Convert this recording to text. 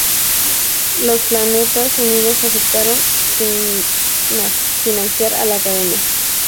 Los Planetas Unidos aceptaron financiar a la Academia.